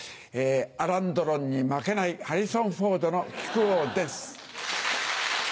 アラン・ドロンに負けないハリソン・フォードの木久扇です。